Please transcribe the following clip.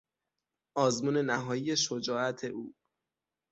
آزمون نهایی شجاعت او